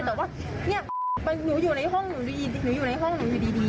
แต่ว่าเนี่ยหนูอยู่ในห้องหนูได้ยินหนูอยู่ในห้องหนูอยู่ดี